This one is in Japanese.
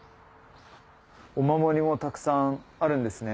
お守りもたくさんあるんですね。